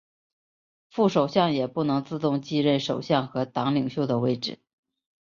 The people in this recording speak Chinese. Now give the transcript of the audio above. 副首相也不能自动继任首相和党领袖的位置。